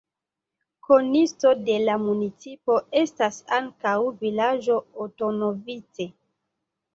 Konisto de la municipo estas ankaŭ vilaĝo Otonovice.